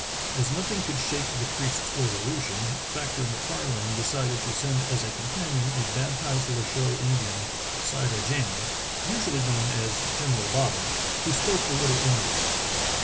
As nothing could shake the priest's resolution. Fac tor MacFarlane decided to send as a companion a baptized Loucheux Indian, Sida Jan, usually known as General Bottom, who spoke a little Inuit.